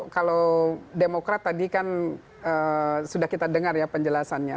kalau demokrat tadi kan sudah kita dengar ya penjelasannya